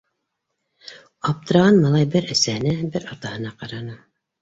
- Аптыранған малай бер әсәһенә, бер атаһына ҡараны.